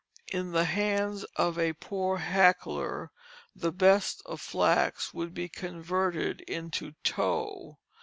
In the hands of a poor hackler the best of flax would be converted into tow.